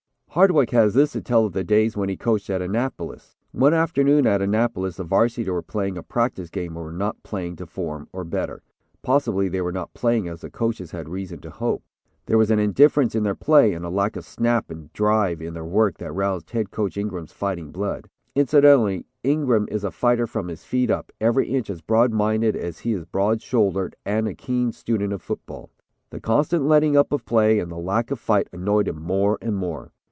'" Hardwick has this to tell of the days when he coached Annapolis: "One afternoon at Annapolis, the Varsity were playing a practice game and were not playing to form, or better, possibly, they were not playing as the coaches had reason to hope. There was an indifference in their play and a lack of snap and drive in their work that roused Head Coach Ingram's fighting blood. Incidentally, Ingram is a fighter from his feet up, every inch, as broad minded as he is broad shouldered, and a keen student of football. The constant letting up of play, and the lack of fight, annoyed him more and more.